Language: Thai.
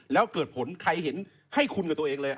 แล้วเกิดผลใครเห็นให้คุณกับตัวเองเลย